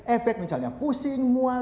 efek misalnya pusing mual